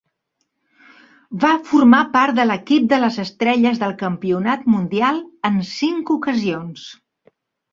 Va formar part de l'equip de les estrelles del campionat mundial en cinc ocasions.